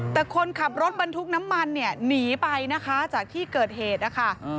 แต่คนขับรถบรรทุกน้ำมันเนี่ยหนีไปนะคะจากที่เกิดเหตุนะคะ